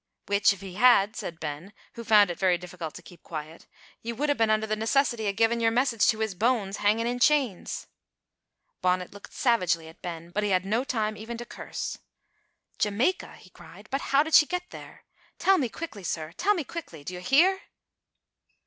"Which, if he had," said Ben, who found it very difficult to keep quiet, "ye would hae been under the necessity o' givin' your message to his bones hangin' in chains." Bonnet looked savagely at Ben, but he had no time even to curse. "Jamaica!" he cried, "how did she get there? Tell me quickly, sir tell me quickly! Do you hear?"